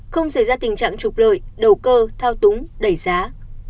không xảy ra tình trạng trục lợi đầu cơ thao túng đẩy giá